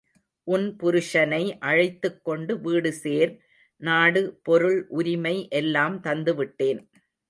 உன் புருஷனை அழைத்துக் கொண்டு வீடு சேர் நாடு பொருள் உரிமை எல்லாம் தந்து விட்டேன்.